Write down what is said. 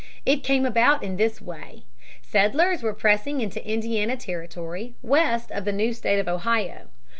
It came about in this way. Settlers were pressing into Indiana Territory west of the new state of Ohio.